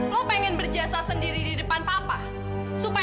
jangan kasar sama nunzairah